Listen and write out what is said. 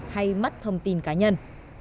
hay mất thông tin cá nhân